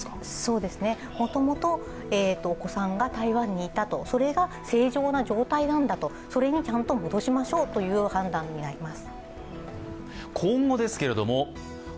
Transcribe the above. そうですね、もともとお子さんが台湾にいたとそれが正常な状態なんだとそれに戻しましょうという判断になります。